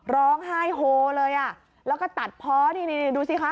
ร้องไห้โหลเลยแล้วก็ถัดพ้อนิดดูซิคะ